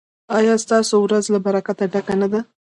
ایا ستاسو ورځ له برکته ډکه نه ده؟